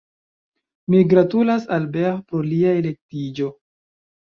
Mi gratulas Albert pro lia elektiĝo.